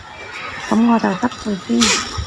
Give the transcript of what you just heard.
噉我就失陪先